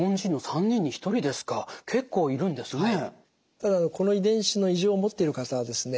ただこの遺伝子の異常を持っている方はですね